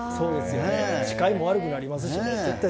視界も悪くなりますしね。